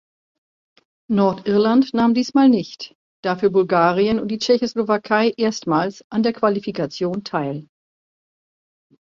Nordirland nahm diesmal nicht, dafür Bulgarien und die Tschechoslowakei erstmals an der Qualifikation teil.